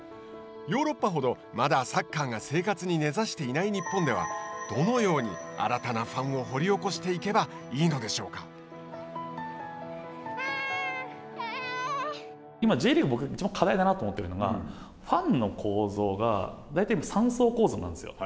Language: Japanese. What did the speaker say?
ヨーロッパほど、まだサッカーが生活に根ざしていない日本ではどのように新たなファンを掘り起こしていけば今、Ｊリーグ、いちばん課題だなと思っているのが、ファンの構造が大体３層構造なんですよ。